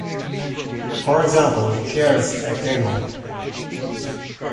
For example: Here's a camel.